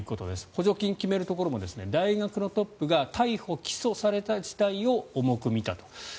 補助金を決めるところも大学のトップが逮捕・起訴された事態を重く見たと。